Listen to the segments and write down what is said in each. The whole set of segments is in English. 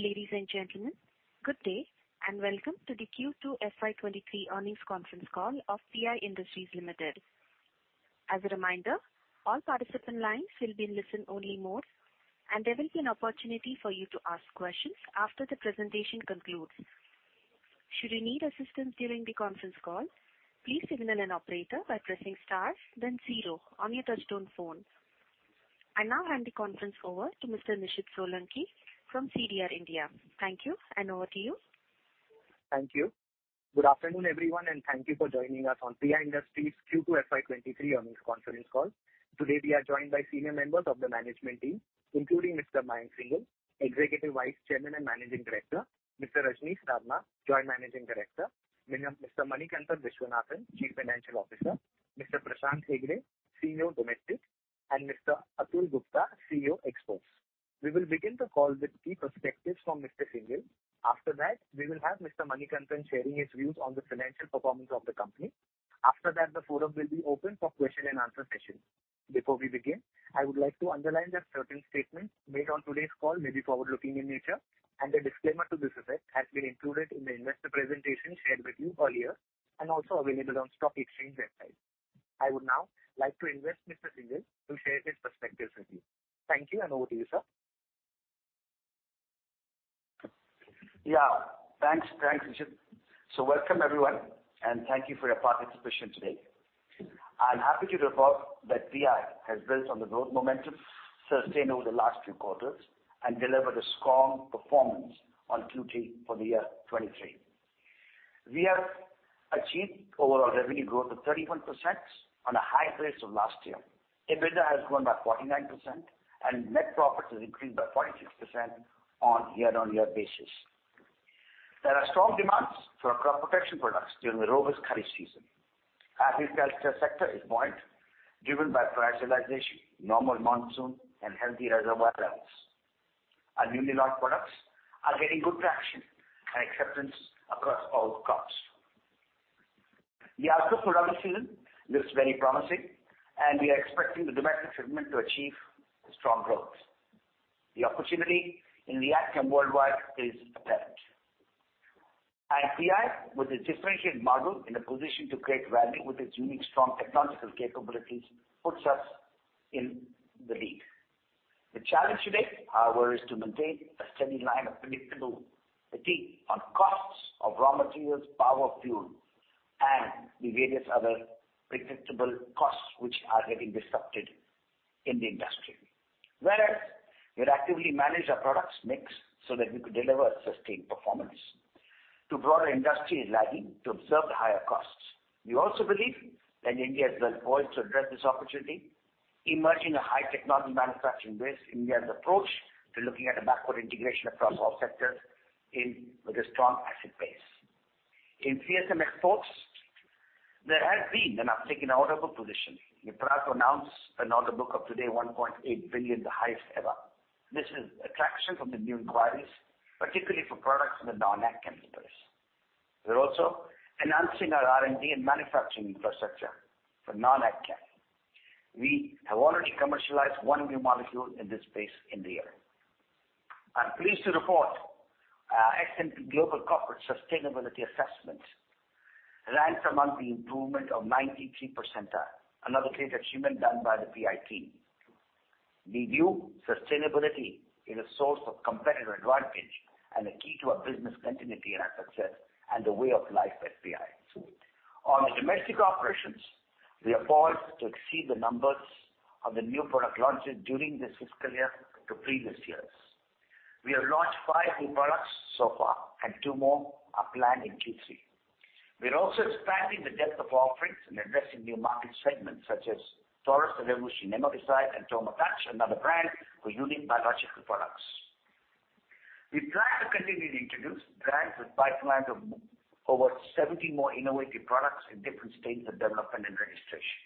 Ladies and gentlemen, good day and welcome to the Q2 FY 2023 earnings conference call of PI Industries Limited. As a reminder, all participant lines will be in listen-only mode, and there will be an opportunity for you to ask questions after the presentation concludes. Should you need assistance during the conference call, please signal an operator by pressing star then zero on your touchtone phone. I now hand the conference over to Mr. Nishid Solanki from CDR India. Thank you and over to you. Thank you. Good afternoon, everyone, and thank you for joining us on PI Industries Q2 FY 2023 earnings conference call. Today, we are joined by senior members of the management team, including Mr. Mayank Singhal, Executive Vice Chairman and Managing Director, Mr. Rajnish Sarna, Joint Managing Director, Mr. Manikantan Viswanathan, Chief Financial Officer, Mr. Prashant Hegde, CEO Domestic, and Mr. Atul Gupta, CEO Exports. We will begin the call with key perspectives from Mr. Singhal. After that, we will have Mr. Manikantan sharing his views on the financial performance of the company. After that, the forum will be open for question and answer session. Before we begin, I would like to underline that certain statements made on today's call may be forward-looking in nature, and a disclaimer to this effect has been included in the investor presentation shared with you earlier and also available on stock exchange website. I would now like to invite Mr. Singhal to share his perspectives with you. Thank you and over to you, sir. Yeah. Thanks. Thanks, Nishid. Welcome, everyone, and thank you for your participation today. I'm happy to report that PI has built on the growth momentum sustained over the last few quarters and delivered a strong performance on Q2 for the year 2023. We have achieved overall revenue growth of 31% on a high base of last year. EBITDA has grown by 49% and net profit has increased by 46% on year-on-year basis. There are strong demands for our crop protection products during the robust Kharif season. Agriculture sector is buoyant, driven by prioritization, normal monsoon and healthy reservoir levels. Our newly launched products are getting good traction and acceptance across all crops. The outcome for the season looks very promising and we are expecting the domestic segment to achieve strong growth. The opportunity in the ag chem worldwide is apparent. PI, with its differentiated model in a position to create value with its unique strong technological capabilities, puts us in the lead. The challenge today, however, is to maintain a steady line of predictability on costs of raw materials, power, fuel, and the various other predictable costs which are getting disrupted in the industry. Whereas we actively manage our products mix so that we could deliver a sustained performance. The broader industry is lagging to absorb the higher costs. We also believe that India is well poised to address this opportunity, emerging a high technology manufacturing base. India's approach to looking at a backward integration across all sectors is with a strong asset base. In CSM exports, there has been an uptick in our order book position. We're proud to announce an order book of today 1.8 billion, the highest ever. This is traction from the new inquiries, particularly for products in the non-ag chem space. We're also enhancing our R&D and manufacturing infrastructure for non-ag chem. We have already commercialized one new molecule in this space in the year. I'm pleased to report our S&P Global Corporate Sustainability Assessment ranks in the 93rd percentile. Another great achievement done by the PI team. We view sustainability as a source of competitive advantage and a key to our business continuity and our success and the way of life at PI. On the domestic operations, we are poised to exceed the numbers of the new product launches during this fiscal year to previous years. We have launched five new products so far and two more are planned in Q3. We are also expanding the depth of offerings and addressing new market segments such as Taurus Revolution nematicide and Tomatough, another brand for unique biological products. We plan to continue to introduce brands with pipeline of over 70 more innovative products in different stages of development and registration.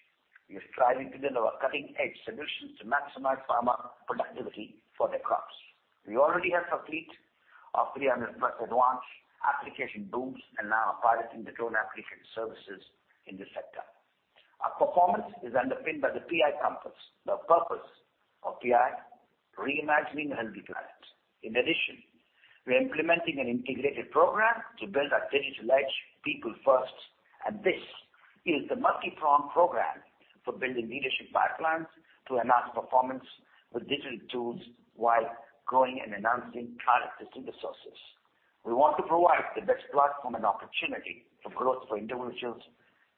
We are striving to deliver cutting-edge solutions to maximize farmer productivity for their crops. We already have a fleet of 300+ advanced application drones and now are piloting the drone application services in this sector. Our performance is underpinned by the PI purpose, the purpose of PI, reimagining healthy planet. In addition, we are implementing an integrated program to build our digital edge, people first. This is the multi-pronged program for building leadership pipelines to enhance performance with digital tools while growing and enhancing talent to suit the sources. We want to provide the best platform and opportunity for growth for individuals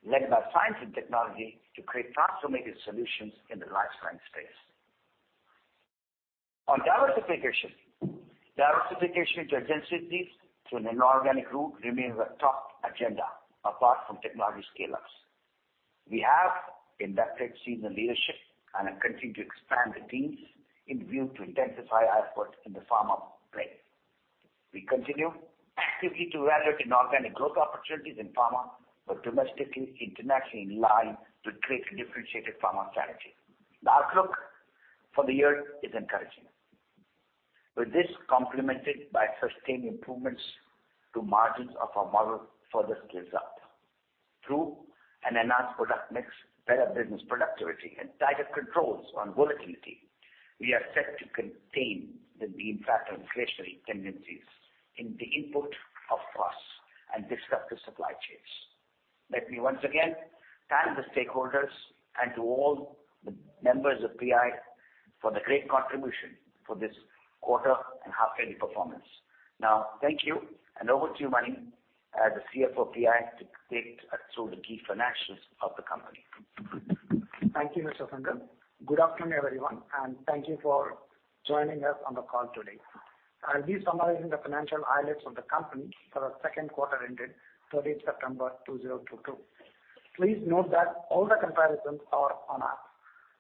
led by science and technology to create transformative solutions in the life sciences space. On diversification. Diversification with urgency through an inorganic route remains our top agenda apart from technology scale-ups. We have inducted senior leadership and are continuing to expand the teams in view to intensify efforts in the pharma play. We continue actively to evaluate inorganic growth opportunities in pharma, both domestically and internationally in line to create differentiated pharma strategy. The outlook for the year is encouraging. With this complemented by sustained improvements to margins of our model and further scale-ups. Through an enhanced product mix, better business productivity and tighter controls on volatility, we are set to contain the main factor inflationary tendencies in the input costs and disrupted supply chains. Let me once again thank the stakeholders and to all the members of PI for the great contribution for this quarter and half yearly performance. Now thank you and over to you, Mani, as the CFO of PI, to take us through the key financials of the company. Thank you, Mr. Singhal. Good afternoon, everyone, and thank you for joining us on the call today. I'll be summarizing the financial highlights of the company for the second quarter ended 30 September 2022. Please note that all the comparisons are on a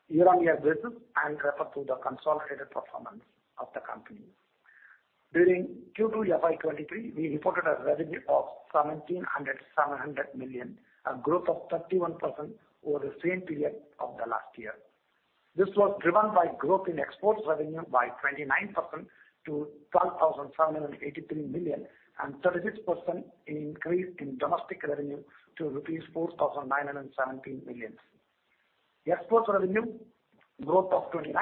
year-on-year basis and refer to the consolidated performance of the company. During Q2 FY 2023, we reported a revenue of 1,707 million, a growth of 31% over the same period of the last year. This was driven by growth in exports revenue by 29% to 12,783 million and 36% increase in domestic revenue to rupees 4,917 million. Exports revenue growth of 29%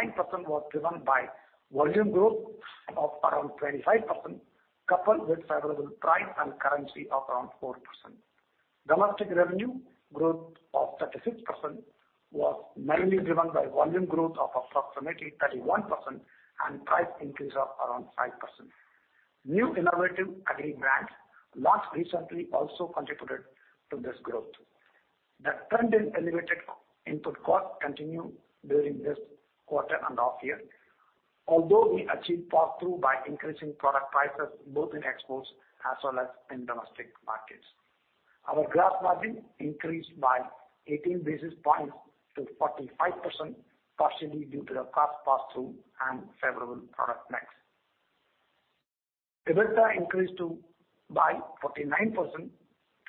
was driven by volume growth of around 25%, coupled with favorable price and currency of around 4%. Domestic revenue growth of 36% was mainly driven by volume growth of approximately 31% and price increase of around 5%. New innovative agri brands launched recently also contributed to this growth. The trend in elevated input costs continued during this quarter and half year. Although we achieved pass-through by increasing product prices both in exports as well as in domestic markets. Our gross margin increased by eighteen basis points to 45%, partially due to the cost pass-through and favorable product mix. EBITDA increased by 49%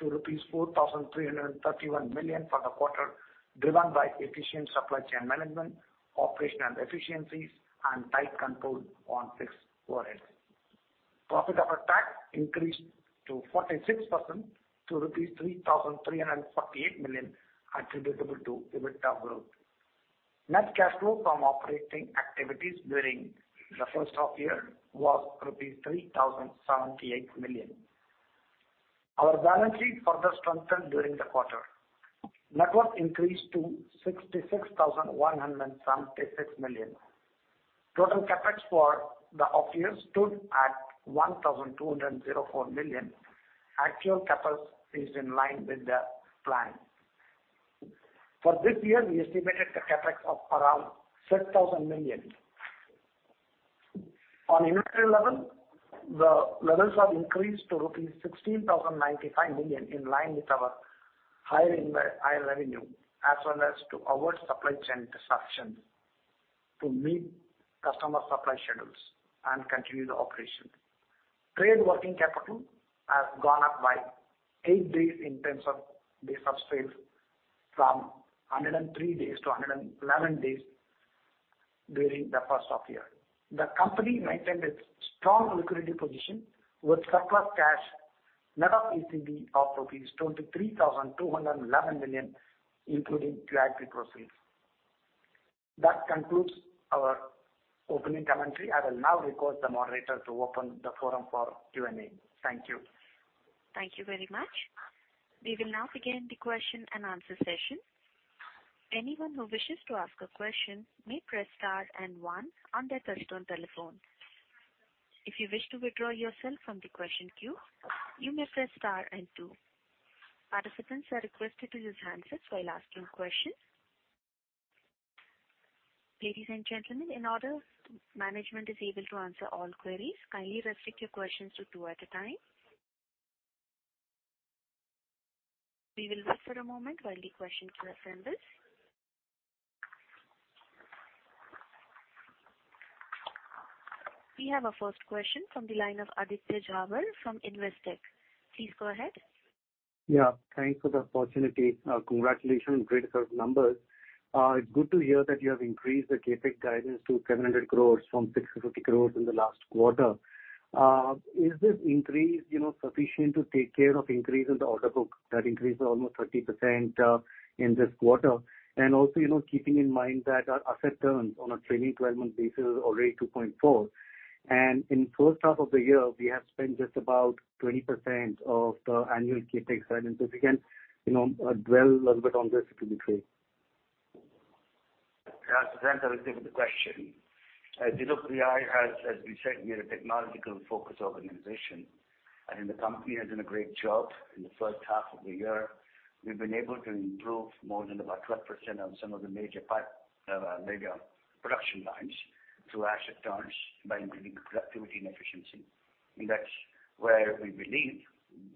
to rupees 4,331 million for the quarter, driven by efficient supply chain management, operational efficiencies and tight control on fixed overheads. Profit after tax increased by 46% to 3,348 million attributable to EBITDA growth. Net cash flow from operating activities during the first half year was rupees 3,078 million. Our balance sheet further strengthened during the quarter. Net worth increased to 66,176 million. Total CapEx for the half year stood at 1,204 million. Actual CapEx is in line with the plan. For this year, we estimated a CapEx of around 6,000 million. On inventory level, the levels have increased to rupees 16,095 million, in line with our higher revenue, as well as to avoid supply chain disruptions to meet customer supply schedules and continue the operation. Trade working capital has gone up by 8 days in terms of days of sales from 103 days to 111 days during the first half year. The company maintained its strong liquidity position with surplus cash, net of ECB, of 23,211 million, including QIP proceeds. That concludes our opening commentary. I will now request the moderator to open the forum for Q&A. Thank you. Thank you very much. We will now begin the question-and-answer session. Anyone who wishes to ask a question may press star and one on their touch-tone telephone. If you wish to withdraw yourself from the question queue, you may press star and two. Participants are requested to use handsets while asking questions. Ladies and gentlemen, in order that management is able to answer all queries, kindly restrict your questions to two at a time. We will wait for a moment while the questions are assembled. We have our first question from the line of Aditya Jhawar from Investec. Please go ahead. Yeah, thanks for the opportunity. Congratulations. Great set of numbers. It's good to hear that you have increased the CapEx guidance to 700 crores from 650 crores in the last quarter. Is this increase, you know, sufficient to take care of increase in the order book that increased almost 30%, in this quarter? Also, you know, keeping in mind that our asset turns on a trailing twelve-month basis is already 2.4. In first half of the year, we have spent just about 20% of the annual CapEx guidance. If you can, you know, dwell a little bit on this, it'll be great. Yeah, Aditya. Thank you for the question. As you know, PI has, as we said, we are a technology-focused organization, and the company has done a great job in the first half of the year. We've been able to improve more than about 12% on some of the major production lines through asset turns by improving productivity and efficiency. That's where we believe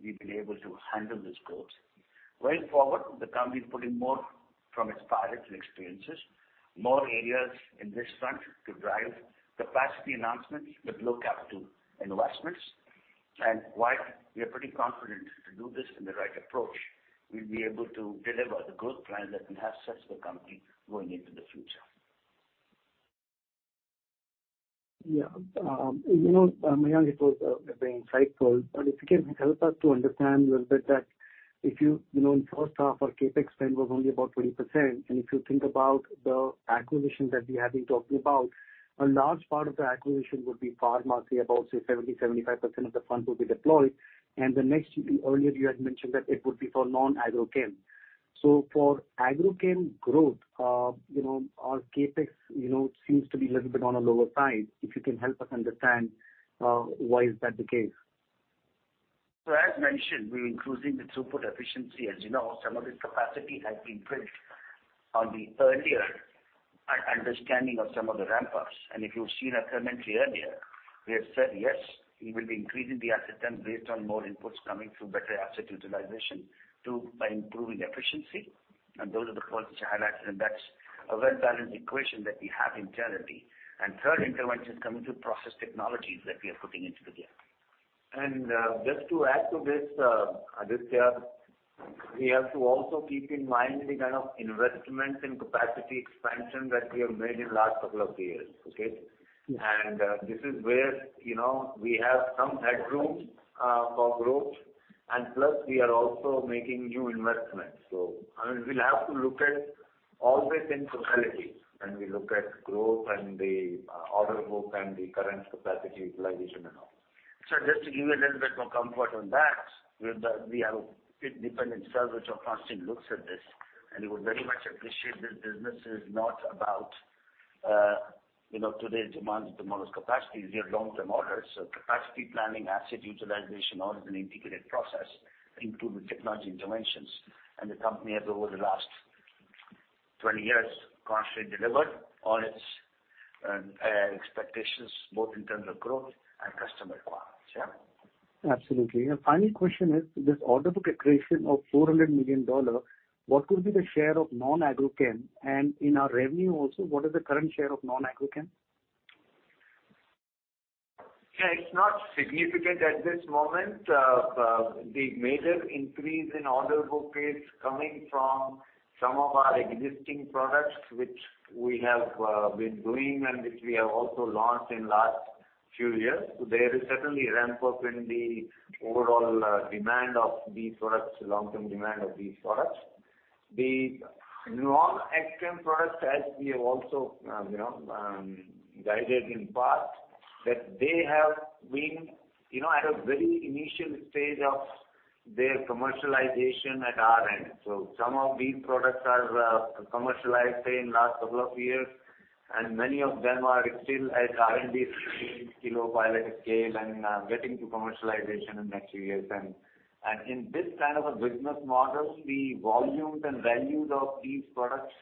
we've been able to handle this growth. Going forward, the company is pulling more from its pilots and experiences, more areas in this front to drive capacity enhancements with low capital investments. While we are pretty confident to do this in the right approach, we'll be able to deliver the growth plan that enhances the company going into the future. Yeah. You know, Mayank, it was very insightful, but if you can help us to understand a little bit that if you know, in first half our CapEx spend was only about 20%, and if you think about the acquisition that we have been talking about, a large part of the acquisition would be pharma, say about 70%-75% of the funds will be deployed. The next should be earlier you had mentioned that it would be for non-agchem. For agchem growth, you know, our CapEx, you know, seems to be a little bit on a lower side, if you can help us understand why is that the case? As mentioned, we're increasing the throughput efficiency. As you know, some of this capacity has been built on the earlier understanding of some of the ramp-ups. If you've seen our commentary earlier, we have said, yes, we will be increasing the asset ton based on more inputs coming through better asset utilization by improving efficiency. Those are the points which I highlighted, and that's a well-balanced equation that we have internally. Third intervention is coming through process technologies that we are putting into the game. Just to add to this, Aditya, we have to also keep in mind the kind of investments and capacity expansion that we have made in last couple of years. Okay. Yeah. This is where, you know, we have some headroom for growth, and plus we are also making new investments. I mean, we'll have to look at all this in totality when we look at growth and the order book and the current capacity utilization and all. Just to give you a little bit more comfort on that, we have a dedicated cell, which constantly looks at this, and you would very much appreciate this business is not about, you know, today's demand is tomorrow's capacity. These are long-term orders. Capacity planning, asset utilization, all is an integrated process, including technology interventions. The company has over the last 20 years constantly delivered on its expectations, both in terms of growth and customer requirements. Absolutely. Final question is, this order book accretion of $400 million, what would be the share of non-ag chem? In our revenue also, what is the current share of non-ag chem? Yeah. It's not significant at this moment. The major increase in order book is coming from some of our existing products which we have been doing and which we have also launched in last few years. So there is certainly a ramp-up in the overall demand of these products, long-term demand of these products. The non-agchem products, as we have also you know guided in past, that they have been you know at a very initial stage of their commercialization at our end. So some of these products are commercialized, say, in last couple of years, and many of them are still at R&D stage, kilo pilot scale, and getting to commercialization in next few years. In this kind of a business model, the volumes and values of these products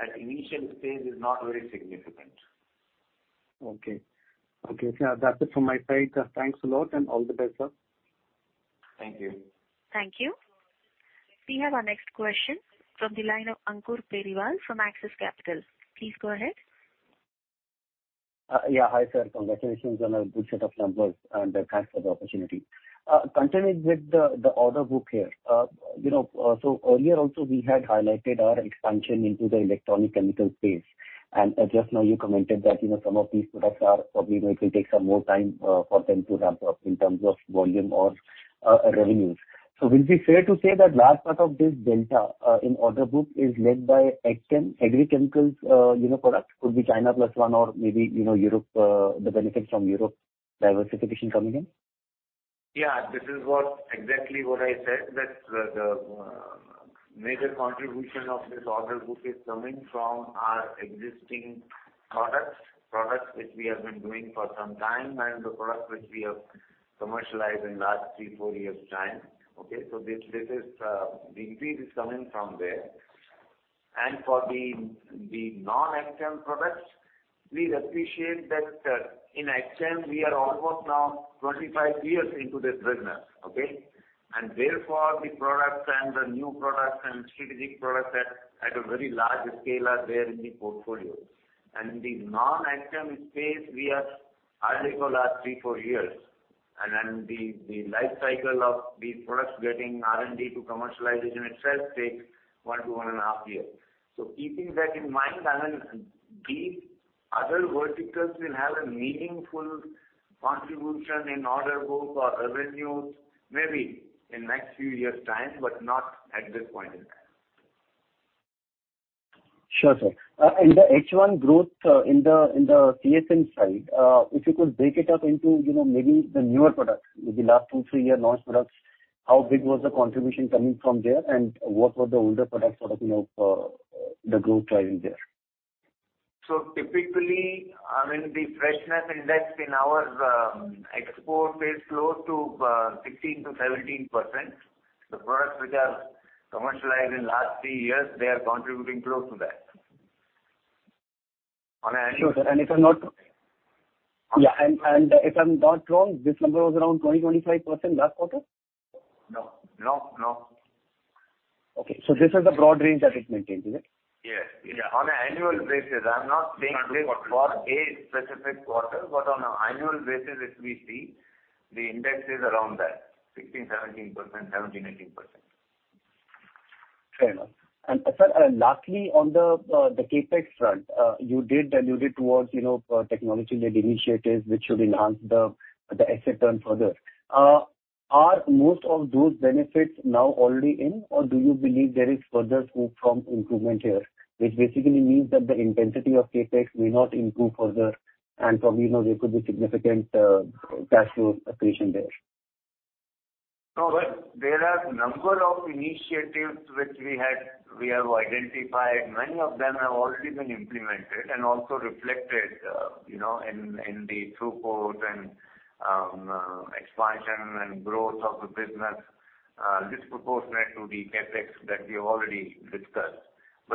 at initial stage is not very significant. Okay. Yeah. That's it from my side. Thanks a lot, and all the best, sir. Thank you. Thank you. We have our next question from the line of Ankur Periwal from Axis Capital. Please go ahead. Yeah. Hi, sir. Congratulations on a good set of numbers, and thanks for the opportunity. Continuing with the order book here. You know, so earlier also we had highlighted our expansion into the electronic chemical space. Just now you commented that, you know, some of these products are probably may take some more time for them to ramp up in terms of volume or revenues. Will it be fair to say that large part of this delta in order book is led by AgChem, agrochemicals, you know, product? Could be China plus one or maybe, you know, Europe, the benefits from Europe diversification coming in? Yeah. This is exactly what I said, that the major contribution of this order book is coming from our existing products which we have been doing for some time, and the products which we have commercialized in last three, four years' time. Okay? The increase is coming from there. For the non-ag chem products, please appreciate that in ag chem we are almost now 25 years into this business. Okay? Therefore, the products and the new products and strategic products at a very large scale are there in the portfolio. In the non-ag chem space, we are hardly for last three, four years. Then the life cycle of these products getting R&D to commercialization itself takes one to one and a half year. Keeping that in mind, and then these other verticals will have a meaningful contribution in order book or revenues, maybe in next few years' time, but not at this point in time. Sure, sir. In the H1 growth, in the CSM side, if you could break it up into, you know, maybe the newer products, maybe last two to three year launched products, how big was the contribution coming from there, and what were the older products sort of, you know, the growth drivers there? Typically, I mean, the freshness index in our export is close to 16%-17%. The products which are commercialized in last three years, they are contributing close to that. On an annual Sure, sir. Okay. Yeah. If I'm not wrong, this number was around 20-25% last quarter? No. No, no. Okay. This is the broad range that it maintains, is it? Yes. Yeah. On an annual basis, I'm not saying. Per quarter. for a specific quarter, but on an annual basis if we see, the index is around that 16%-17%, 17%-18%. Fair enough. Sir, lastly on the CapEx front, you did allude towards, you know, technology-led initiatives which should enhance the asset turn further. Are most of those benefits now already in, or do you believe there is further scope for improvement here, which basically means that the intensity of CapEx may not improve further, and, you know, there could be significant cash flow accretion there? No, there are a number of initiatives which we have identified. Many of them have already been implemented and also reflected, you know, in the throughput and expansion and growth of the business, disproportionate to the CapEx that we have already discussed.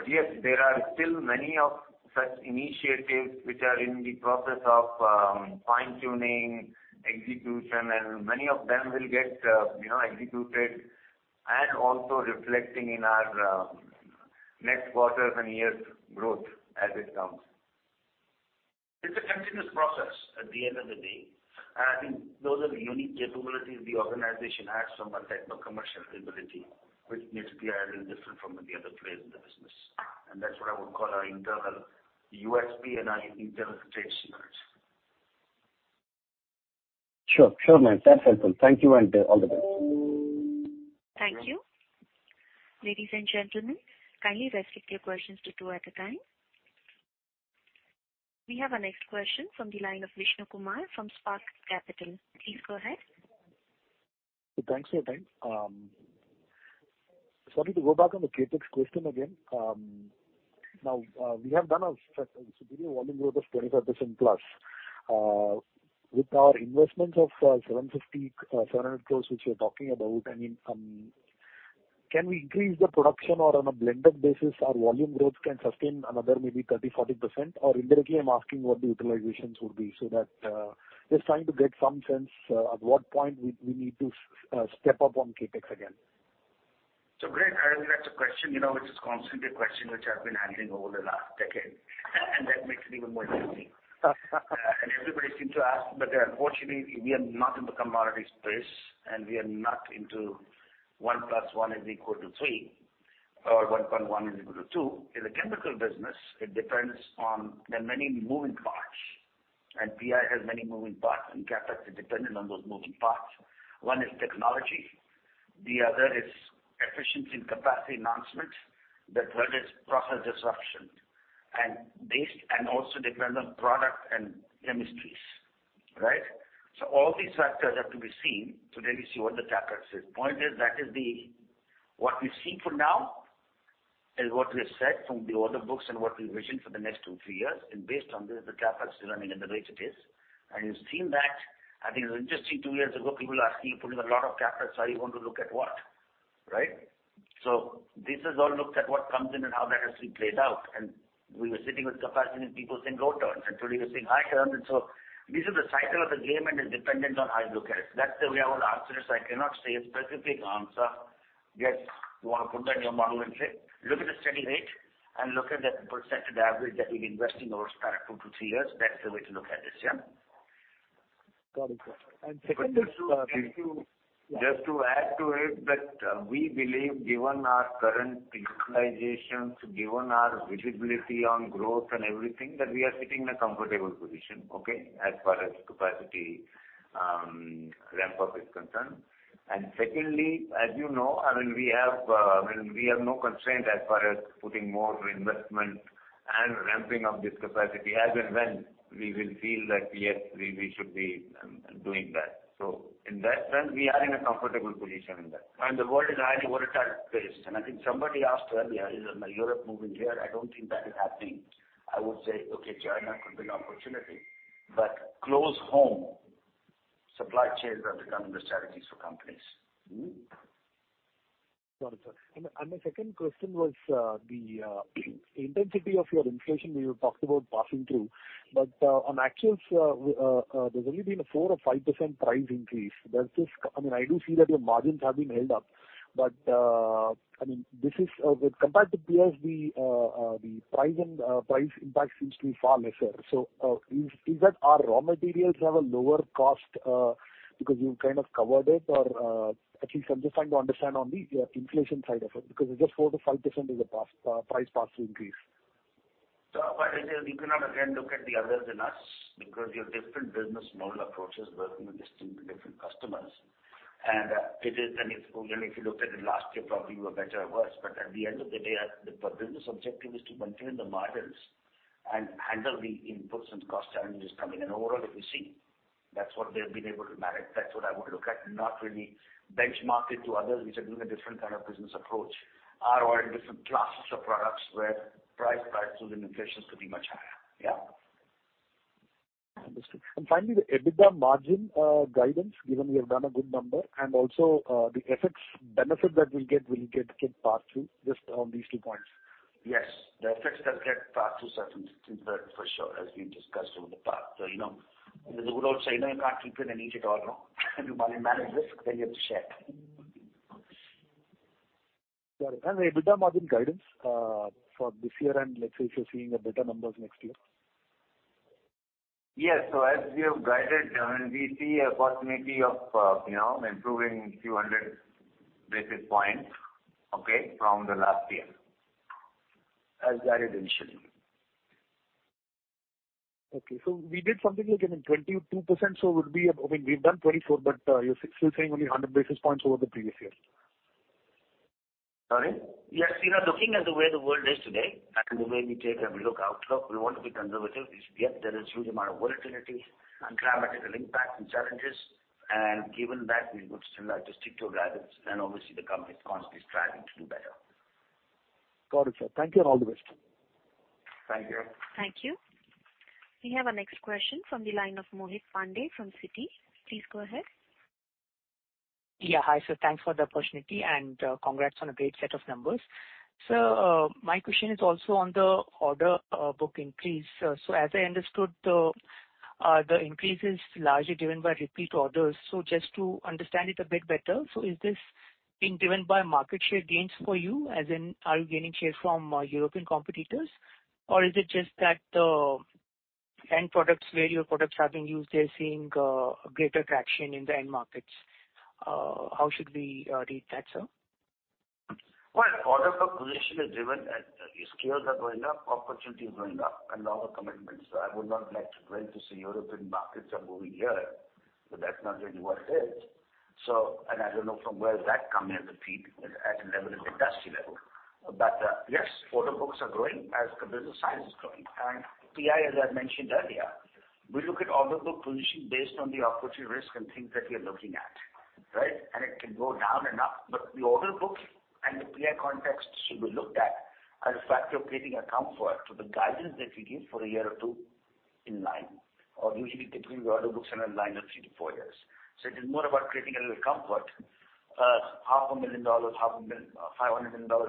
Yes, there are still many of such initiatives which are in the process of fine-tuning, execution, and many of them will get, you know, executed and also reflecting in our next quarters and years growth as it comes. It's a continuous process at the end of the day. I think those are the unique capabilities the organization has from a technical commercial ability, which needs to be a little different from the other players in the business. That's what I would call our internal USP and our internal trade secrets. Sure, ma'am. That's helpful. Thank you and all the best. Thank you. Ladies and gentlemen, kindly restrict your questions to two at a time. We have our next question from the line of Vishnu Kumar from Spark Capital. Please go ahead. Thanks for your time. Sorry, to go back on the CapEx question again. Now, we have done a superior volume growth of 25%+, with our investments of 750 crores, 700 crores which you're talking about. I mean, can we increase the production or on a blended basis our volume growth can sustain another maybe 30, 40%? Or indirectly I'm asking what the utilizations would be so that, just trying to get some sense, at what point we need to step up on CapEx again. Vishnu, I mean, that's a question, you know, which is constantly a question which I've been handling over the last decade, and that makes it even more interesting. Everybody seem to ask, but unfortunately we are not in the commodity space, and we are not into 1 + 1 = 3, or 1.1 = 2. In the chemical business, it depends on the many moving parts. PI has many moving parts, and CapEx is dependent on those moving parts. One is technology, the other is efficiency and capacity enhancements. The third is process disruption, also depends on product and chemistries, right? All these factors have to be seen to really see what the CapEx is. What we see for now is what we have said from the order books and what we envision for the next two, three years. Based on this, the CapEx is running in the rates it is. You've seen that, I think just two years ago, people are asking you putting a lot of CapEx, are you going to look at what, right? This is all looked at what comes in and how that has been played out. We were sitting with capacity and people saying low turns, and today we're saying high turns. This is the cycle of the game, and it's dependent on how you look at it. That's the way I would answer this. I cannot say a specific answer. Yes, you want to put that in your model and say, look at the steady rate and look at the percentage average that we invest in over two to three years. That's the way to look at this, yeah. Got it. Second is, Just to add to it that we believe given our current utilizations, given our visibility on growth and everything, that we are sitting in a comfortable position, okay, as far as capacity ramp up is concerned. Secondly, as you know, we have no constraint as far as putting more investment and ramping up this capacity as and when we will feel that, yes, we should be doing that. In that sense, we are in a comfortable position in that. The world is highly volatile place. I think somebody asked earlier, is Europe moving here? I don't think that is happening. I would say, okay, China could be an opportunity, but close home supply chains are becoming the strategies for companies. Got it, sir. My second question was the intensity of your inflation you talked about passing through, but on actuals, there's only been a 4% or 5% price increase. Does this? I mean, I do see that your margins have been held up, but I mean, this is compared to peers, the price impact seems to be far lesser. Is that our raw materials have a lower cost because you've kind of covered it or actually, I'm just trying to understand on the inflation side of it, because it's just 4%-5% is the pass-through price increase. What it is, you cannot again look at the others than us because your different business model approaches working with distinct different customers. If you look at it last year, probably you were better or worse. At the end of the day, the business objective is to maintain the margins and handle the inputs and cost challenges coming in. Overall, if you see, that's what they've been able to manage. That's what I would look at, not really benchmark it to others which are doing a different kind of business approach or in different classes of products where price and inflation could be much higher. Yeah. Understood. Finally, the EBITDA margin guidance, given you have done a good number, and also, the FX benefit that we'll get passed through just on these two points. Yes. The FX does get passed through certain things for sure, as we discussed over the past. You know, in the good old saying, you can't keep it in check at all now. When you manage risk, then you have to share it. Got it. The EBITDA margin guidance for this year and let's say if you're seeing better numbers next year? Yes. As we have guided, I mean, we see a possibility of, you know, improving 200 basis points, okay, from the last year, as guided initially. Okay. We did something like, I mean, 22%, so we'll be I mean, we've done 24, but you're still saying only 100 basis points over the previous year. Sorry. Yes. You know, looking at the way the world is today and the way we look at the outlook, we want to be conservative. Yes, there is a huge amount of volatility and climate impact and challenges. Given that, we would still just stick to our guidance. Obviously, the company is constantly striving to do better. Got it, sir. Thank you, and all the best. Thank you. Thank you. We have our next question from the line of Mohit Pandey from Citi. Please go ahead. Yeah. Hi, sir. Thanks for the opportunity, and congrats on a great set of numbers. Sir, my question is also on the order book increase. Just to understand it a bit better, so is this being driven by market share gains for you, as in are you gaining share from European competitors? Or is it just that the end products where your products are being used, they're seeing greater traction in the end markets? How should we read that, sir? Well, order book position is driven as your sales are going up, opportunities are going up, and order commitments. I would not like to claim to say European markets are moving here, but that's not really what it is. I don't know from where that comment repeated at level, at industry level. Yes, order books are growing as the business size is growing. PI, as I mentioned earlier, we look at order book position based on the opportunity, risk and things that we are looking at, right? It can go down and up, but the order book and the PI context should be looked at as a factor of creating a comfort to the guidance that we give for a year or two in line, or usually between the order books and in line of three to four years. It is more about creating a little comfort. Half a million dollars, $500 million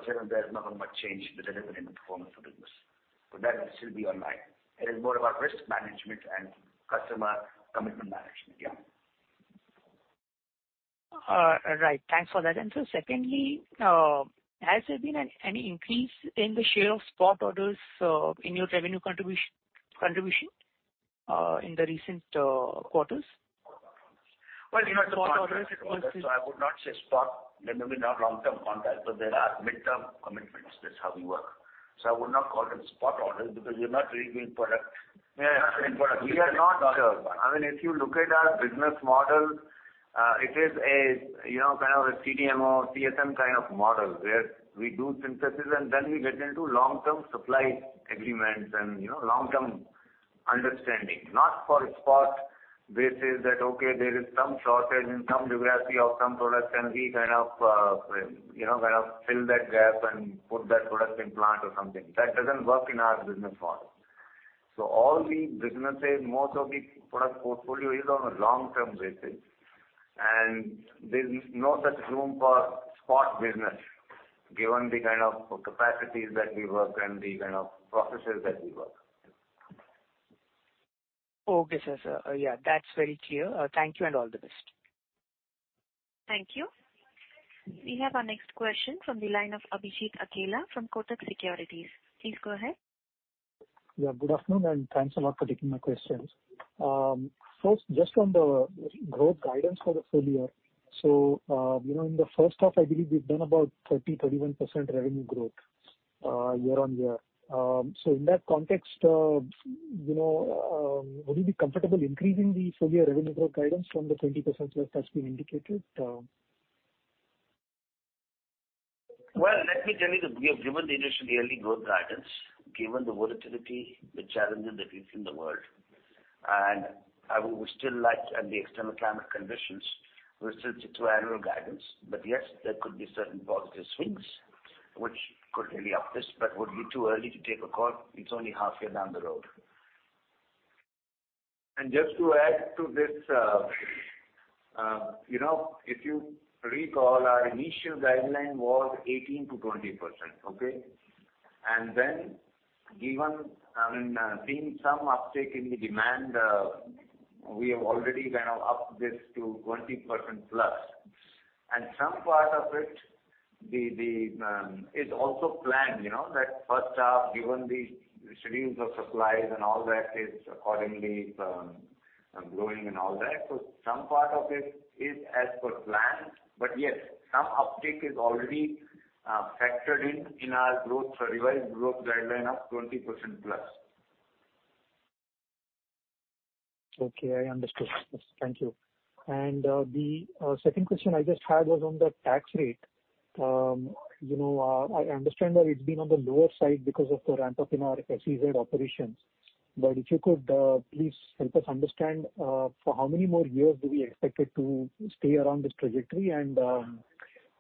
here and there is not gonna change the delivery and the performance of the business. That will still be online. It is more about risk management and customer commitment management. Yeah. Right. Thanks for that. Secondly, has there been any increase in the share of spot orders in your revenue contribution in the recent quarters? Well, you know, the contract orders. Spot orders, it was. I would not say spot. There may be no long-term contract, but there are midterm commitments. That's how we work. I would not call them spot orders because you're not really doing product. Yeah, yeah. We are not, I mean, if you look at our business model, it is a, you know, kind of a CDMO, CSM kind of model, where we do synthesis, and then we get into long-term supply agreements and, you know, long-term understanding. Not for spot basis that, okay, there is some shortage in some geography of some product, and we kind of, you know, kind of fill that gap and put that product in plant or something. That doesn't work in our business model. All the businesses, most of the product portfolio is on a long-term basis. There's no such room for spot business, given the kind of capacities that we work and the kind of processes that we work. Okay, sir. Yeah, that's very clear. Thank you, and all the best. Thank you. We have our next question from the line of Abhijit Akella from Kotak Securities. Please go ahead. Yeah, good afternoon, and thanks a lot for taking my questions. First, just on the growth guidance for the full year. In the first half, I believe we've done about 30-31% revenue growth year-on-year. In that context, would you be comfortable increasing the full year revenue growth guidance from the 20%+ that's been indicated? Well, let me tell you that we have given the initial yearly growth guidance, given the volatility, the challenges that we face in the world. I would still like, and the external climate conditions, we'll still stick to annual guidance. Yes, there could be certain positive swings which could really up this, but would be too early to take a call. It's only half year down the road. Just to add to this, you know, if you recall, our initial guideline was 18%-20%. Okay? Then given, I mean, seeing some uptick in the demand, we have already kind of upped this to 20%+. Some part of it is also planned. You know, that first half, given the schedules of supplies and all that is accordingly growing and all that. Some part of it is as per planned. Yes, some uptick is already factored in in our growth revised growth guideline of 20% plus. Okay, I understood. Thank you. The second question I just had was on the tax rate. You know, I understand that it's been on the lower side because of the ramp-up in our SEZ operations. If you could please help us understand for how many more years do we expect it to stay around this trajectory?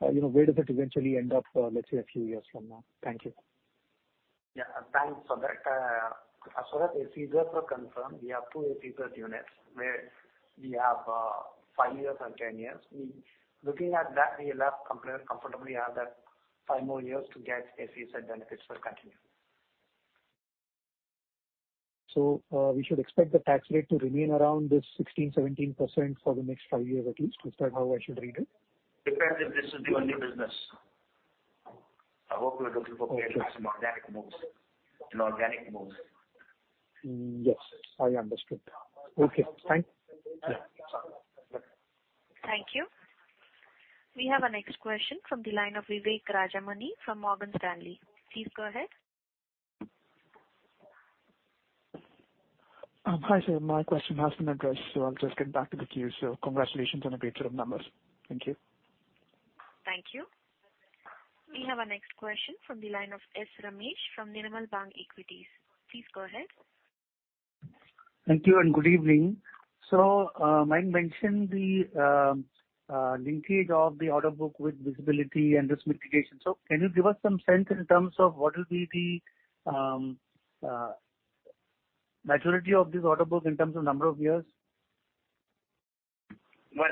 You know, where does it eventually end up, let's say, a few years from now? Thank you. Yeah. Thanks for that. As far as SEZs are concerned, we have two SEZ units where we have 5 years and 10 years. Looking at that, we are left comfortably have that 5 more years to get SEZ benefits will continue. We should expect the tax rate to remain around this 16%-17% for the next 5 years at least. Is that how I should read it? Depends if this is the only business. I hope you're looking for creating some organic moves. An organic move. Yes, I understood. Okay, thank you. Yeah. Thank you. We have our next question from the line of Vivek Rajamani from Morgan Stanley. Please go ahead. Hi, sir. My question has been addressed, so I'll just get back to the queue. Congratulations on a great set of numbers. Thank you. Thank you. We have our next question from the line of S. Ramesh from Nirmal Bang Equities. Please go ahead. Thank you and good evening. Mayank Singhal mentioned the linkage of the order book with visibility and risk mitigation. Can you give us some sense in terms of what will be the maturity of this order book in terms of number of years? I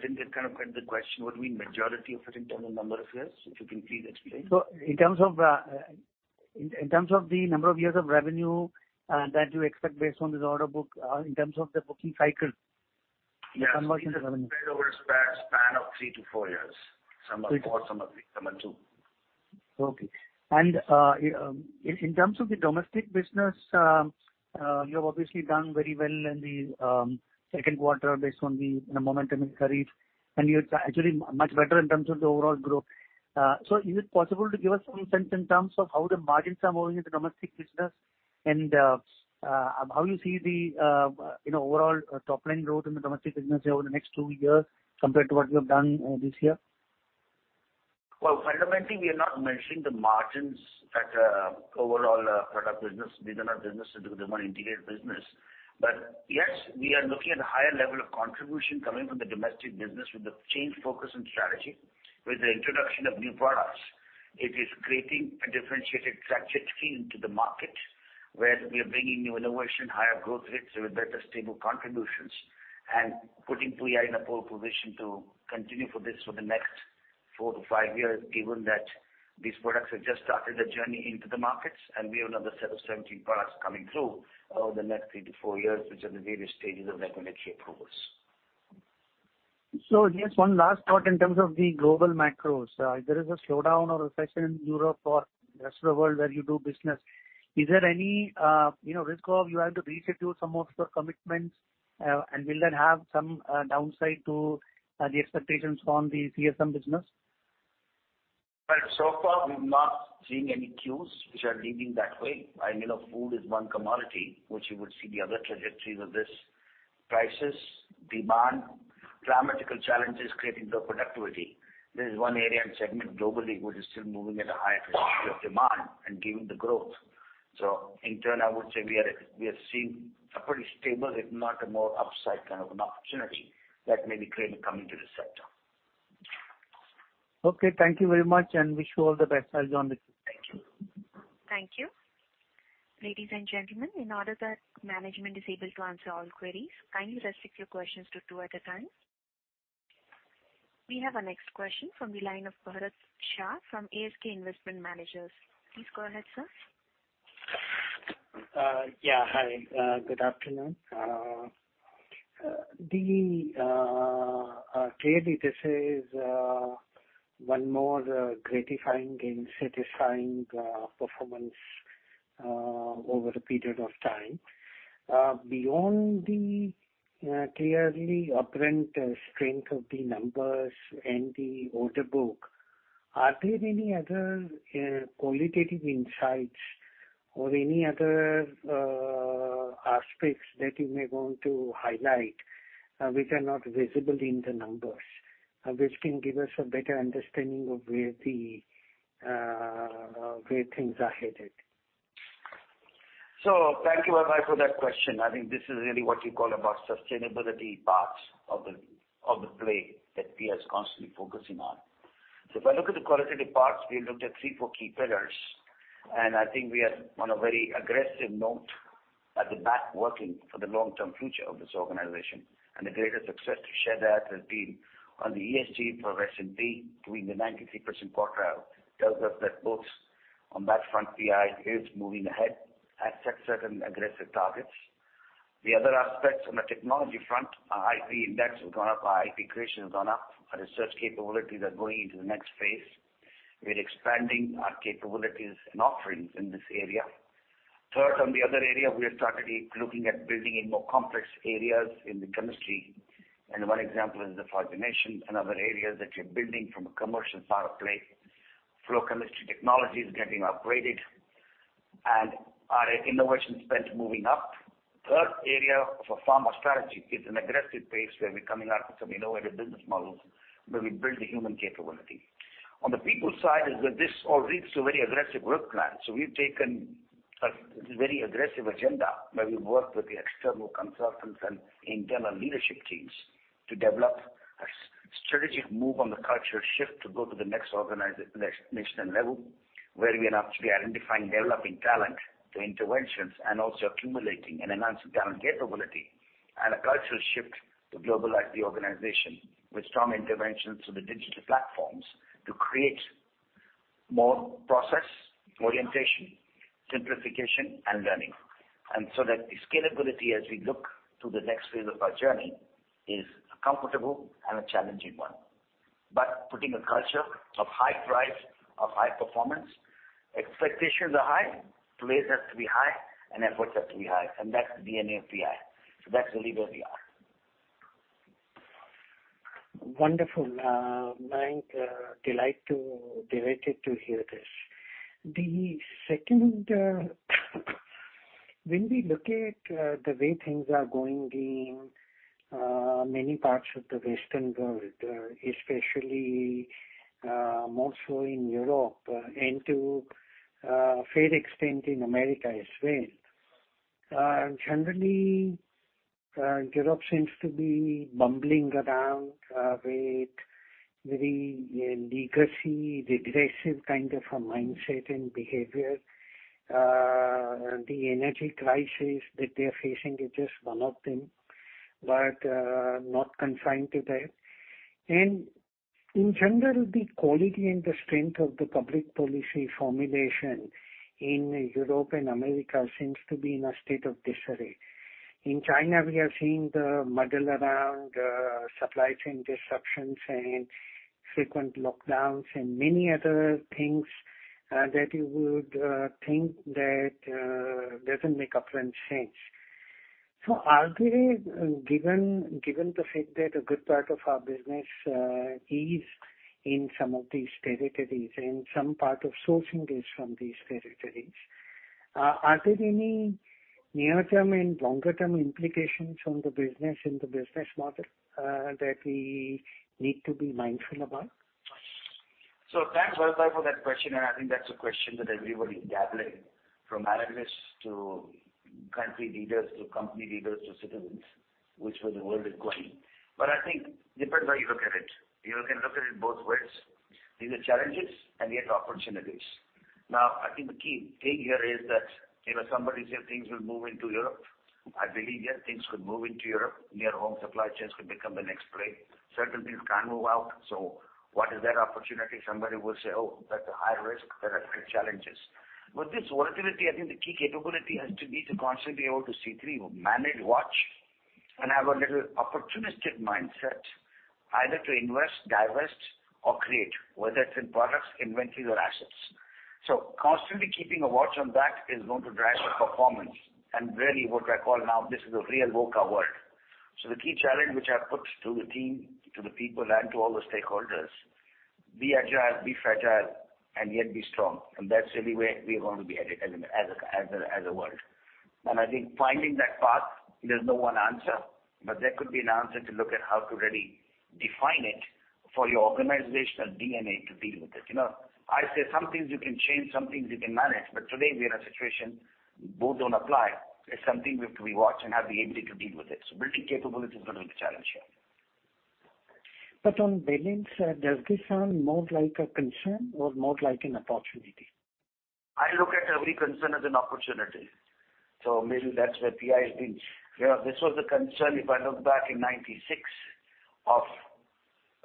think I kind of get the question. What do you mean majority of it in terms of number of years? If you can please explain. In terms of the number of years of revenue that you expect based on this order book, in terms of the booking cycle. Yes. Conversion. Spread over a span of three to four years. Some are four, some are three, some are two. In terms of the domestic business, you have obviously done very well in the second quarter based on the, you know, momentum in Kharif. You're actually much better in terms of the overall growth. Is it possible to give us some sense in terms of how the margins are moving in the domestic business and how you see the, you know, overall top line growth in the domestic business over the next two years compared to what you have done this year? Well, fundamentally, we are not measuring the margins at overall product business. These are not businesses, they're more integrated business. But yes, we are looking at higher level of contribution coming from the domestic business with the changed focus and strategy. With the introduction of new products, it is creating a differentiated trajectory into the market, where we are bringing new innovation, higher growth rates with better stable contributions. Putting PI in a pole position to continue for this for the next four to five years, given that these products have just started the journey into the markets, and we have another set of 17 products coming through over the next three to four years, which are in the various stages of regulatory approvals. Just one last thought in terms of the global macros. If there is a slowdown or recession in Europe or rest of the world where you do business, is there any, you know, risk of you have to reschedule some of your commitments, and will that have some downside to the expectations from the CSM business? Well, so far, we've not seen any cues which are leading that way. I mean, food is one commodity which you would see the other trajectories of this. Prices, demand, climatic challenges creating the productivity. This is one area and segment globally which is still moving at a high trajectory of demand and giving the growth. In turn, I would say we are seeing a pretty stable, if not a more upside kind of an opportunity that may be clearly coming to this sector. Okay, thank you very much, and wish you all the best. I'll join the queue. Thank you. Thank you. Ladies and gentlemen, in order that management is able to answer all queries, kindly restrict your questions to two at a time. We have our next question from the line of Bharat Shah from ASK Investment Managers. Please go ahead, sir. Yeah, hi. Good afternoon. Clearly this is one more gratifying and satisfying performance over a period of time. Beyond the clearly apparent strength of the numbers and the order book, are there any other qualitative insights or any other aspects that you may want to highlight, which are not visible in the numbers, which can give us a better understanding of where things are headed? Thank you, Bharat, for that question. I think this is really what it's all about, the sustainability parts of the play that PI is constantly focusing on. If I look at the qualitative parts, we looked at three to four key pillars, and I think we are on a very aggressive note at the back working for the long-term future of this organization. The greater success to share that has been on the ESG progression, beating the 93rd percentile, tells us that both on that front PI is moving ahead at certain aggressive targets. The other aspects on the technology front, our IP index has gone up, our IP creation has gone up. Our research capabilities are going into the next phase. We're expanding our capabilities and offerings in this area. Third, on the other area, we have started looking at building in more complex areas in the chemistry, and one example is the fluorination and other areas that you're building from a commercial power play. Flow chemistry technology is getting upgraded, and our innovation spend moving up. Third area of a pharma strategy is an aggressive pace where we're coming out with some innovative business models where we build the human capability. On the people side is that this all leads to a very aggressive work plan. We've taken a very aggressive agenda where we work with the external consultants and internal leadership teams to develop a strategic move on the cultural shift to go to the next national level, where we are actually identifying developing talent through interventions and also accumulating and enhancing talent capability and a cultural shift to globalize the organization with strong interventions through the digital platforms to create more process orientation, simplification, and learning. That the scalability as we look to the next phase of our journey is a comfortable and a challenging one. Putting a culture of high drive, of high performance, expectations are high, delays have to be high, and efforts have to be high, and that's the DNA of PI. That's really where we are. Wonderful, Mayank. Delighted to hear this. The second, when we look at the way things are going in many parts of the Western world, especially more so in Europe and to a fair extent in America as well, generally Europe seems to be bumbling around with very legacy, regressive kind of a mindset and behavior. The energy crisis that they're facing is just one of them, but not confined to that. In general, the quality and the strength of the public policy formulation in Europe and America seems to be in a state of disarray. In China, we are seeing the muddle around supply chain disruptions and frequent lockdowns and many other things that you would think that doesn't make upfront change. Given the fact that a good part of our business is in some of these territories and some part of sourcing is from these territories, are there any near-term and longer-term implications on the business and the business model that we need to be mindful about? Thanks, Shah, for that question, and I think that's a question that everybody's asking, from analysts to country leaders to company leaders to citizens, which way the world is going. I think it depends how you look at it. You can look at it both ways. These are challenges and yet opportunities. Now, I think the key thing here is that, you know, somebody said things will move into Europe. I believe, yeah, things could move into Europe. Near home supply chains could become the next play. Certain things can't move out, so what is that opportunity? Somebody will say, "Oh, that's a high risk. There are great challenges." With this volatility, I think the key capability has to be to constantly be able to see through, manage, watch, and have a little opportunistic mindset either to invest, divest, or create, whether it's in products, inventory or assets. Constantly keeping a watch on that is going to drive the performance and really what I call now this is a real woke world. The key challenge which I've put to the team, to the people and to all the stakeholders, be agile, be fragile, and yet be strong, and that's really where we're going to be at, as a world. I think finding that path, there's no one answer. There could be an answer to look at how to really define it for your organizational DNA to deal with it. You know, I say some things you can change, some things you can manage, but today we are in a situation both don't apply. It's something we have to watch and have the ability to deal with it. Building capability is gonna be the challenge here. On balance, does this sound more like a concern or more like an opportunity? I look at every concern as an opportunity. Maybe that's where PI has been. You know, this was a concern, if I look back in 1996, of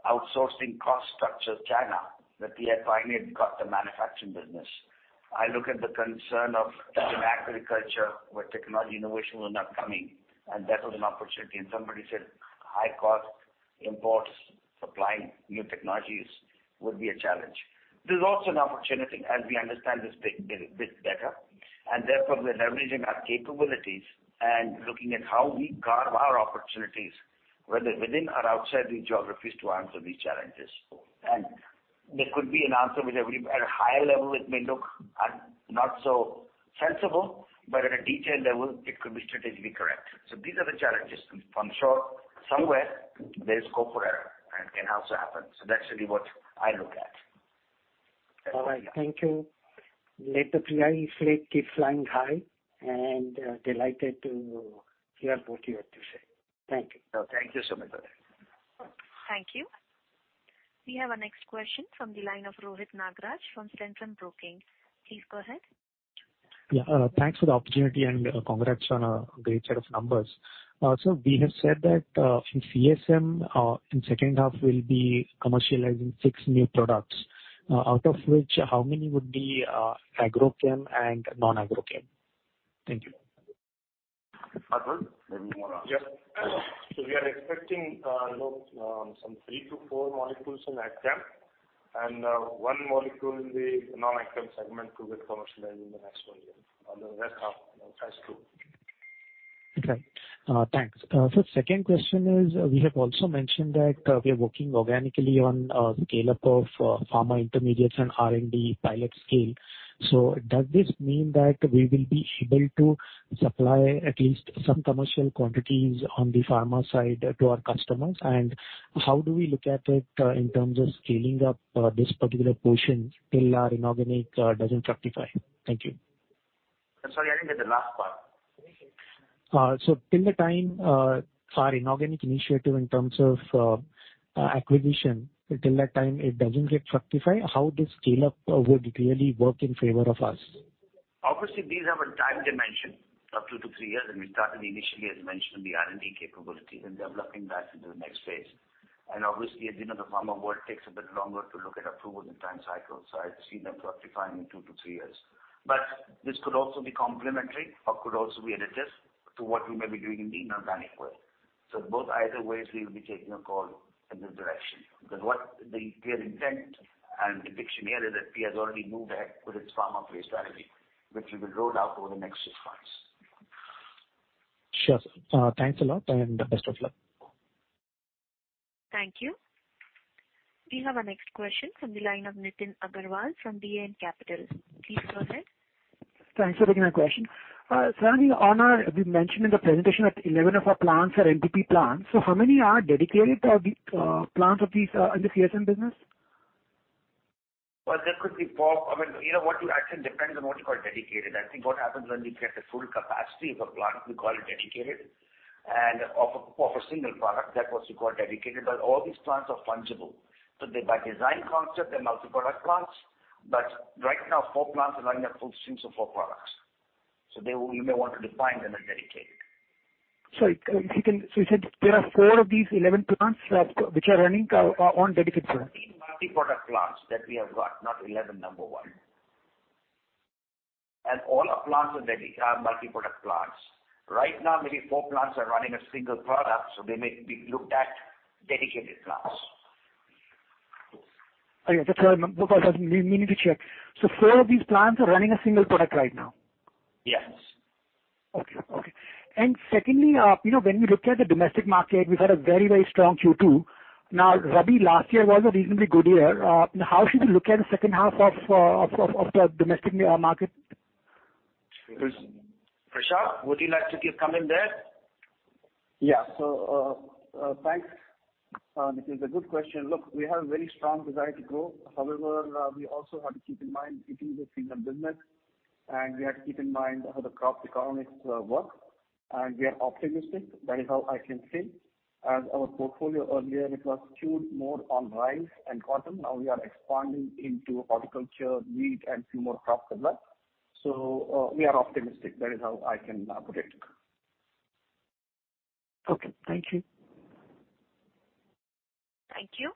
outsourcing cost structure China, that we had finally got the manufacturing business. I look at the concern of stagnant agriculture, where technology innovation was not coming, and that was an opportunity. Somebody said, "High cost imports supplying new technologies would be a challenge." This is also an opportunity, and we understand this bit better. Therefore we're leveraging our capabilities and looking at how we carve our opportunities, whether within or outside these geographies to answer these challenges. There could be an answer. At a higher level, it may look not so sensible, but at a detailed level it could be strategically correct. These are the challenges. I'm sure somewhere there's scope for error and can also happen. That's really what I look at. All right. Thank you. Let the PI fleet keep flying high, and, delighted to hear what you have to say. Thank you. No, thank you, Sumit. Thank you. We have our next question from the line of Rohit Nagraj from Centrum Broking. Please go ahead. Yeah. Thanks for the opportunity and congrats on a great set of numbers. We have said that, from CSM, in second half will be commercializing six new products. Out of which, how many would be ag chem and non-ag chem? Thank you. Atul, maybe you wanna. Yes. We are expecting, you know, some 3-4 molecules in ag chem and, 1 molecule in the non-ag chem segment to get commercialized in the next 1 year on the rest of phase II. Okay. Thanks. Second question is, we have also mentioned that we are working organically on a scale-up of pharma intermediates and R&D pilot scale. Does this mean that we will be able to supply at least some commercial quantities on the pharma side to our customers? And how do we look at it, in terms of scaling up, this particular portion till our inorganic doesn't fructify? Thank you. I'm sorry, I didn't get the last part. Till the time our inorganic initiative in terms of acquisition till that time it doesn't get fructify, how this scale-up would really work in favor of us? Obviously, these have a time dimension of two to three years, and we started initially, as mentioned, the R&D capability and developing that into the next phase. Obviously, as you know, the pharma world takes a bit longer to look at approvals and time cycles, so I'd see them diversifying in two to three years. This could also be complementary or could also be additive to what we may be doing in the inorganic way. Both either ways, we will be taking a call in this direction, because of the clear intent and the direction that we have already moved ahead with its pharma-based strategy, which we will roll out over the next six months. Sure, sir. Thanks a lot and best of luck. Thank you. We have our next question from the line of Nitin Agarwal from DAM Capital. Please go ahead. Thanks for taking my question. Sir, we mentioned in the presentation that 11 of our plants are MPP plants. How many are dedicated plants of these in the CSM business? Well, that could be both. I mean, you know what, I think it depends on what you call dedicated. I think what happens when we get the full capacity of a plant, we call it dedicated. Of a single product that we call dedicated, but all these plants are fungible. They're by design concept multi-product plants. Right now, four plants are running at full streams of four products. They will. You may want to define them as dedicated. Sorry. You said there are 4 of these 11 plants, which are running on dedicated, sir. Three multi-product plants that we have got, not 11, number 1. All our plants are multi-product plants. Right now, maybe four plants are running a single product, so they may be looked at dedicated plants. Okay. That's why, because I've been needing to check. Four of these plants are running a single product right now? Yes. Okay. Okay. Secondly, you know, when we look at the domestic market, we've had a very, very strong Q2. Now, Rabi last year was a reasonably good year. How should we look at the second half of the domestic market? Prashant, would you like to give comment there? Yeah. Thanks. It is a good question. Look, we have very strong desire to grow. However, we also have to keep in mind it is a freedom business, and we have to keep in mind how the crop economists work. We are optimistic, that is all I can say. As our portfolio earlier, it was tuned more on rice and cotton. Now we are expanding into horticulture, wheat and few more crops as well. We are optimistic. That is how I can put it. Okay. Thank you. Thank you.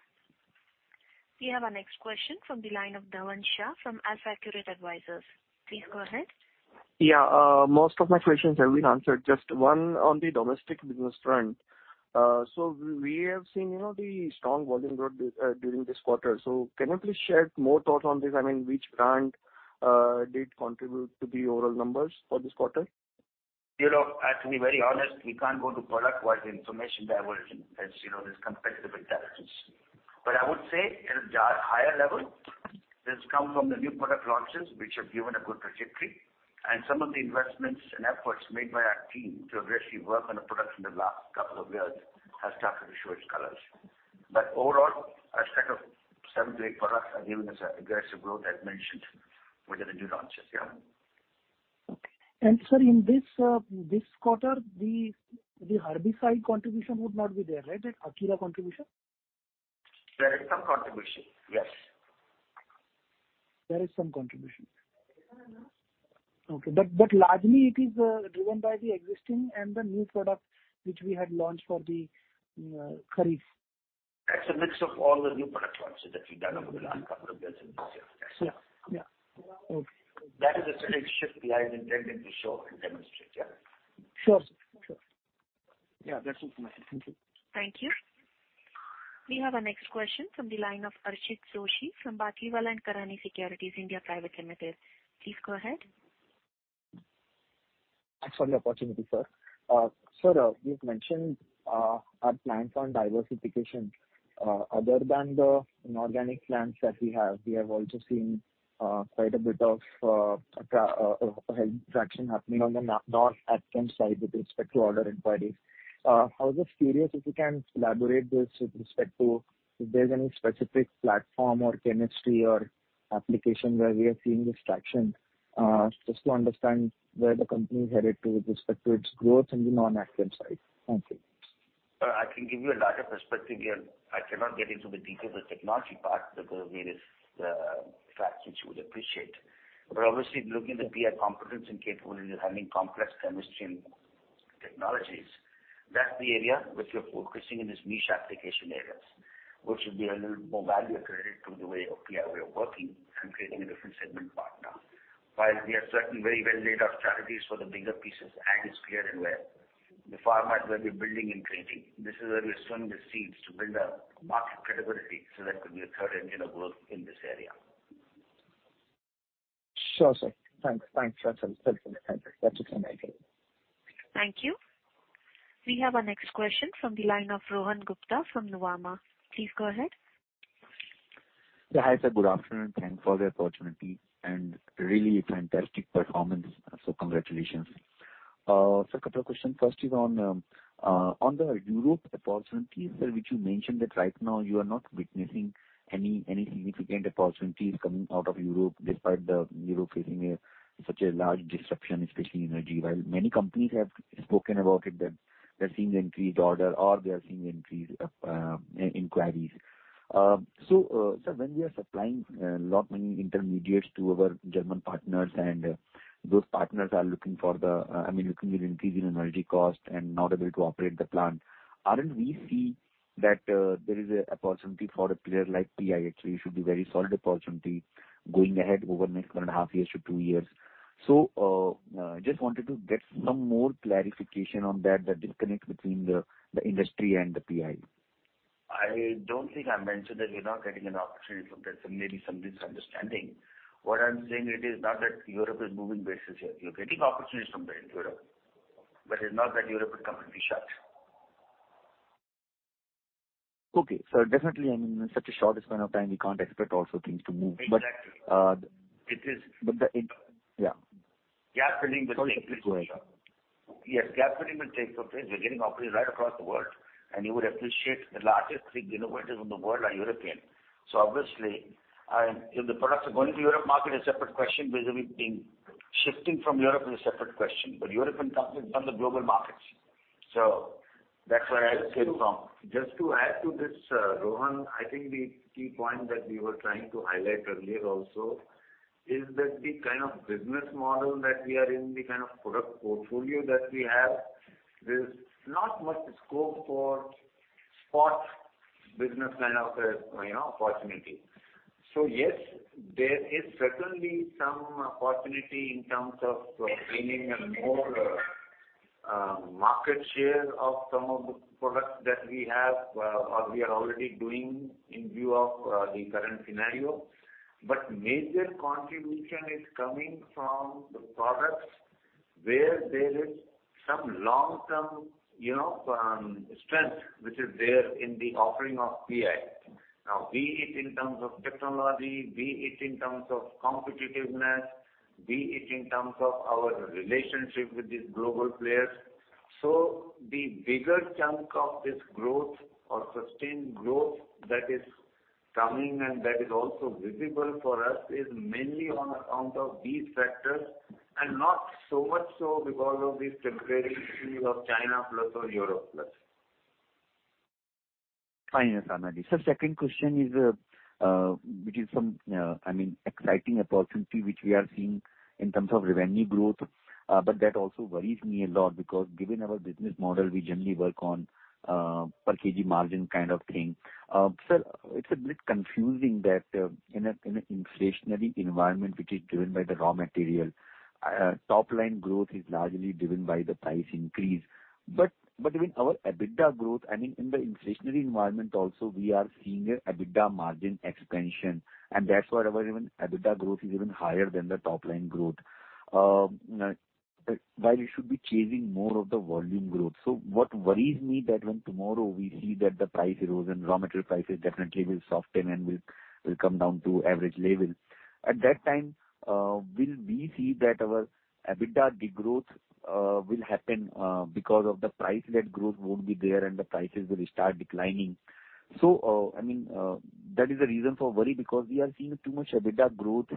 We have our next question from the line of Dhavan Shah from AlfAccurate Advisors. Please go ahead. Most of my questions have been answered, just one on the domestic business front. We have seen, you know, the strong volume growth during this quarter. Can you please share more thoughts on this? I mean, which brand did contribute to the overall numbers for this quarter? You know, I have to be very honest, we can't go to product-wise information disclosure, as you know, there's competitive intelligence. I would say at a higher level, this comes from the new product launches which have given a good trajectory, and some of the investments and efforts made by our team to aggressively work on the products in the last couple of years has started to show its colors. Overall, a set of 7-8 products have given us aggressive growth as mentioned with the new launches. Yeah. Okay. Sir, in this quarter, the herbicide contribution would not be there, right? That Osheen contribution? There is some contribution, yes. There is some contribution. Okay. Largely it is driven by the existing and the new products which we had launched for the Kharif. That's a mix of all the new product launches that we've done over the last couple of years and this year. Yes. Yeah. Yeah. Okay. That is a selling shift we are intending to show and demonstrate. Yeah. Sure, sir. Sure. Yeah, that's it from my side. Thank you. Thank you. We have our next question from the line of Archit Joshi from Batlivala & Karani Securities India Private Limited. Please go ahead. Thanks for the opportunity, sir. Sir, you've mentioned our plans on diversification. Other than the inorganic plans that we have, we have also seen quite a bit of traction happening on the non-agchem side with respect to order inquiries. I was just curious if you can elaborate this with respect to if there's any specific platform or chemistry or application where we are seeing this traction, just to understand where the company is headed to with respect to its growth in the non-agchem side. Thank you. Well, I can give you a larger perspective here. I cannot get into the details of technology part because there is facts which you would appreciate. Obviously, looking at the PI competence and capability of handling complex chemistry and technologies, that's the area which we're focusing in this niche application areas, which should be a little more value accredited to the way of PI way of working and creating a different segment partner. While we are certainly very well laid out strategies for the bigger pieces and it's clear and well, the format where we're building and creating, this is where we're sowing the seeds to build a market credibility so that could be a third engine of growth in this area. Sure, sir. Thanks. That's it. Thank you. That's it from my side. Thank you. We have our next question from the line of Rohan Gupta from Nuvama. Please go ahead. Yeah. Hi, sir. Good afternoon. Thanks for the opportunity and really fantastic performance. Congratulations. Sir, couple of questions. First is on the Europe opportunities, which you mentioned that right now you are not witnessing any significant opportunities coming out of Europe despite Europe facing such a large disruption, especially energy. While many companies have spoken about it, that they're seeing increased order or they are seeing increased inquiries. Sir, when we are supplying lot many intermediates to our German partners and those partners are looking for the, I mean, looking with increase in energy cost and not able to operate the plant. Aren't we see that there is a opportunity for a player like PI actually should be very solid opportunity going ahead over next 1.5 years to 2 years. Just wanted to get some more clarification on that, the disconnect between the industry and the PI. I don't think I mentioned that we're not getting an opportunity from that. Maybe some misunderstanding. What I'm saying it is not that Europe is moving business here. We are getting opportunities from there in Europe, but it's not that Europe is completely shut. Okay. Definitely, I mean, in such a shortest amount of time, we can't expect also things to move. Exactly. But, uh- It is- Yeah. Gap filling will take place. Sorry to interrupt. Go ahead. Yes, gap filling will take some place. We're getting opportunities right across the world, and you would appreciate the largest three innovators in the world are European. Obviously, if the products are going to Europe market, a separate question vis-a-vis being shifting from Europe is a separate question. Europe encompasses some of the global markets. That's where I came from. Just to add to this, Rohan, I think the key point that we were trying to highlight earlier also is that the kind of business model that we are in, the kind of product portfolio that we have, there's not much scope for spot business kind of, you know, opportunity. Yes, there is certainly some opportunity in terms of gaining a more market share of some of the products that we have or we are already doing in view of the current scenario. Major contribution is coming from the products where there is some long-term, you know, strength which is there in the offering of PI. Now, be it in terms of technology, be it in terms of competitiveness, be it in terms of our relationship with these global players. The bigger chunk of this growth or sustained growth that is coming and that is also visible for us is mainly on account of these factors and not so much so because of this temporary issue of China plus or Europe plus. Fine, Rajnish Sarna. Sir, second question is, which is from, I mean, exciting opportunity which we are seeing in terms of revenue growth. That also worries me a lot because given our business model, we generally work on per kg margin kind of thing. Sir, it's a bit confusing that in a inflationary environment which is driven by the raw material top line growth is largely driven by the price increase. I mean our EBITDA growth, I mean, in the inflationary environment also we are seeing a EBITDA margin expansion, and that's where our even EBITDA growth is even higher than the top line growth. While you should be chasing more of the volume growth. What worries me that when tomorrow we see that the price erosion, raw material prices definitely will soften and will come down to average levels. At that time, will we see that our EBITDA degrowth will happen because of the price, that growth won't be there and the prices will start declining. I mean, that is a reason for worry because we are seeing too much EBITDA growth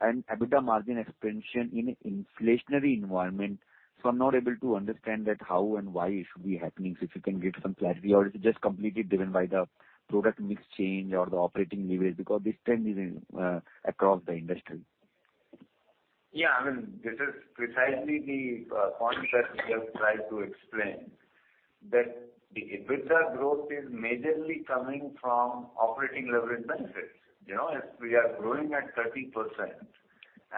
and EBITDA margin expansion in an inflationary environment. I'm not able to understand that how and why it should be happening. If you can give some clarity or is it just completely driven by the product mix change or the operating leverage because this trend is indeed across the industry. Yeah, I mean this is precisely the point that we have tried to explain, that the EBITDA growth is majorly coming from operating leverage benefits. You know, if we are growing at 30%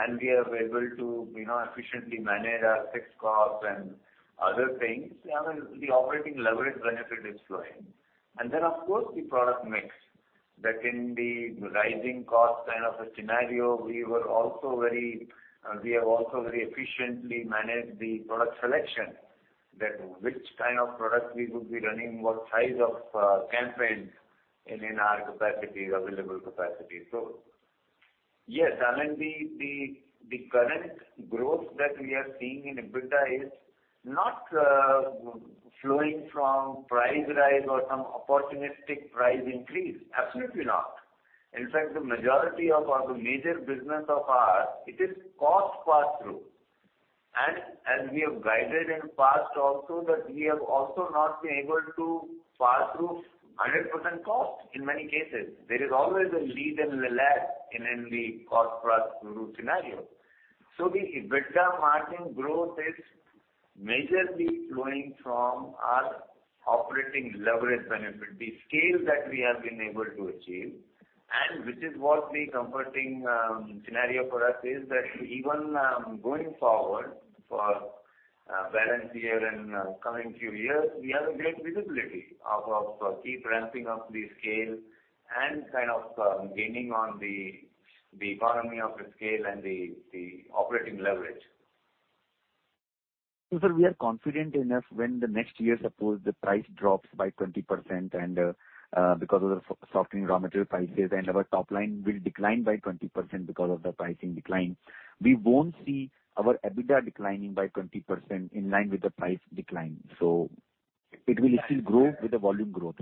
and we are able to, you know, efficiently manage our fixed costs and other things, I mean, the operating leverage benefit is flowing. Then of course, the product mix, that in the rising cost kind of a scenario, we have also very efficiently managed the product selection that which kind of product we would be running, what size of campaigns in our capacity, available capacity. Yes, I mean, the current growth that we are seeing in EBITDA is not flowing from price rise or some opportunistic price increase. Absolutely not. In fact, the majority of all the major business of ours, it is cost pass-through. As we have guided in the past also that we have also not been able to pass through 100% cost in many cases. There is always a lead and a lag in the cost pass-through scenario. The EBITDA margin growth is majorly flowing from our operating leverage benefit, the scale that we have been able to achieve and which is what the comforting scenario for us is that even going forward for balance year and coming few years, we have a great visibility of keep ramping up the scale and kind of gaining on the economy of the scale and the operating leverage. Sir, we are confident enough when the next year, suppose the price drops by 20% and, because of the softening raw material prices and our top line will decline by 20% because of the pricing decline. We won't see our EBITDA declining by 20% in line with the price decline. It will still grow with the volume growth.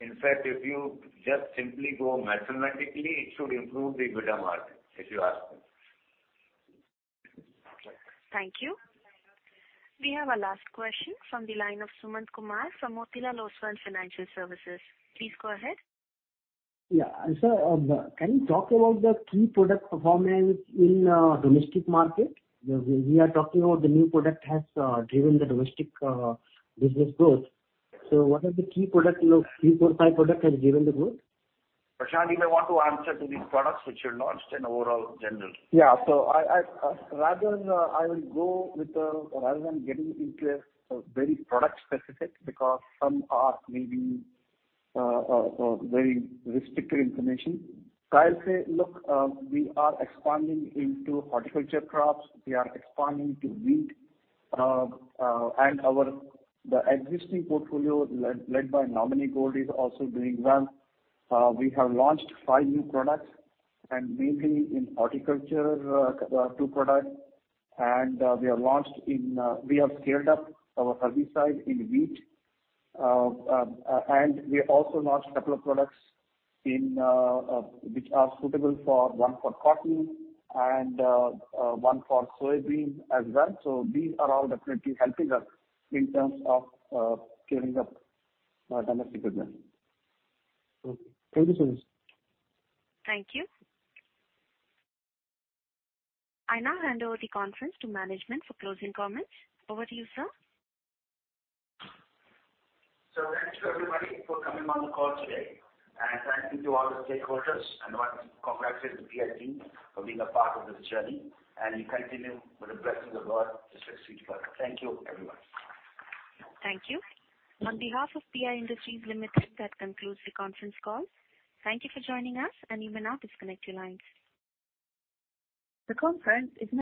In fact, if you just simply go mathematically, it should improve the EBITDA margin, if you ask me. Thank you. We have our last question from the line of Sumant Kumar from Motilal Oswal Financial Services. Please go ahead. Yeah. Can you talk about the key product performance in domestic market? We are talking about the new product has driven the domestic business growth. What are the key product, you know, three, four, five product has driven the growth? Prashant, you may want to answer on these products which you launched and overall generally. I will go with rather than getting into a very product specific because some are maybe very restricted information. I'll say, look, we are expanding into horticulture crops. We are expanding to wheat. And our existing portfolio led by Nominee Gold is also doing well. We have launched five new products and mainly in horticulture two product. We have scaled up our herbicide in wheat. And we also launched couple of products in which are suitable for one for cotton and one for soybean as well. These are all definitely helping us in terms of scaling up our domestic business. Okay. Thank you, Prashant. Thank you. I now hand over the conference to management for closing comments. Over to you, sir. Thank you everybody for coming on the call today. Thank you to all the stakeholders, and want to congratulate the PI team for being a part of this journey. We continue with the blessings of God to succeed further. Thank you, everyone. Thank you. On behalf of PI Industries Limited, that concludes the conference call. Thank you for joining us, and you may now disconnect your lines. The conference is now.